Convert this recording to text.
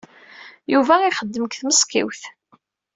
Yuba ixeddem deg tmeṣkiwt.